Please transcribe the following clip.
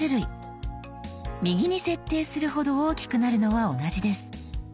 右に設定するほど大きくなるのは同じです。